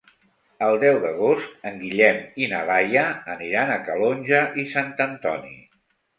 El deu d'agost en Guillem i na Laia aniran a Calonge i Sant Antoni.